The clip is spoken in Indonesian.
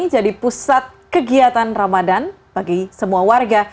jadi pusat kegiatan ramadan bagi semua warga